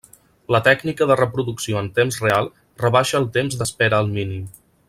La tècnica de reproducció en temps real rebaixa el temps d'espera al mínim.